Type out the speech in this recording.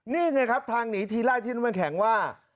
นี่ไงครับทางหนีทีแรกที่น้ำแข็งว่า